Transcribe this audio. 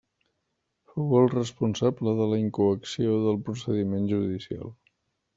Fou el responsable de la incoació del procediment judicial.